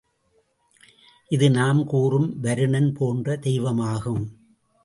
இது நாம் கூறும் வருணன் போன்ற தெய்வமாகும்.